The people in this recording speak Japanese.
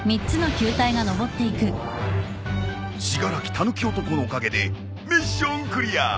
信楽たぬき男のおかげでミッションクリア！